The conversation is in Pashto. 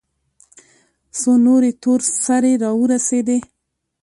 څو نورې تور سرې راورسېدې.